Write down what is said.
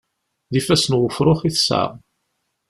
D ifassen n wefṛux i tesɛa.